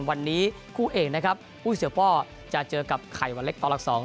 วันนี้คู่เอกนะครับอุ้ยเสือป้อจะเจอกับไข่วันเล็กต่อหลักสอง